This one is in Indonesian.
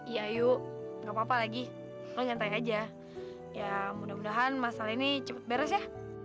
ya yuk gapapa lagi nanti aja ya mudah mudahan masalah ini cepet beres ya